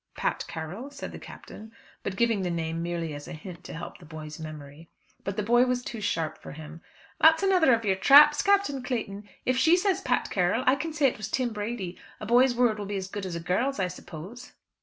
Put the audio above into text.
"Pat Carroll?" said the Captain; but giving the name merely as a hint to help the boy's memory. But the boy was too sharp for him. "That's another of your traps, Captain Clayton. If she says Pat Carroll, I can say it was Tim Brady. A boy's word will be as good as a girl's, I suppose."